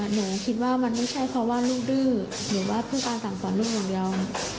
หนูคิดว่ามันไม่ใช่เพราะว่าลูกดื้อหรือว่าผู้การสั่งสอนลูกอย่างเดียว